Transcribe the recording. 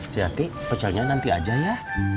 syadi pecelnya nanti aja ya